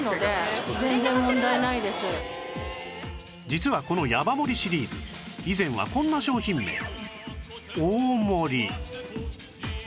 実はこのヤバ盛りシリーズ以前はこんな商品名「大盛り」